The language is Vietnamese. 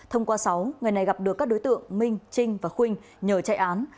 thông qua sáu người này gặp được các đối tượng minh trinh và khuynh nhờ chạy án